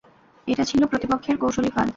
এটা ছিল প্রতিপক্ষের কৌশলী ফাঁদ।